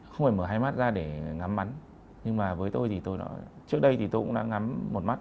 không phải mở hai mắt ra để ngắm mắm nhưng mà với tôi thì tôi trước đây thì tôi cũng đã ngắm một mắt